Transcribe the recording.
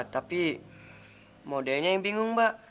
tapi modelnya yang bingung mbak